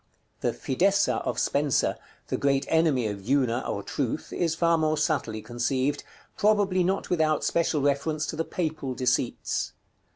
The Fidessa of Spenser, the great enemy of Una, or Truth, is far more subtly conceived, probably not without special reference to the Papal deceits.